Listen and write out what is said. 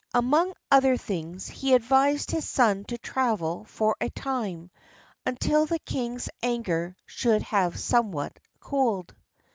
Among other things, he advised his son to travel for a time, until the king's anger should have somewhat cooled.